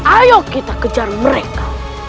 ayo kita kejar mereka